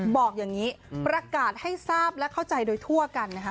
บอกอย่างนี้ประกาศให้ทราบและเข้าใจโดยทั่วกันนะคะ